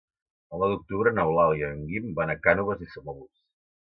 El nou d'octubre n'Eulàlia i en Guim van a Cànoves i Samalús.